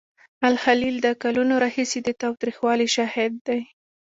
الخلیل د کلونو راهیسې د تاوتریخوالي شاهد دی.